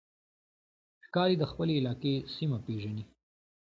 ښکاري د خپلې علاقې سیمه پېژني.